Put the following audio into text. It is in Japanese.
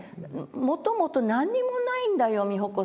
「もともと何にもないんだよ美穂子さん」。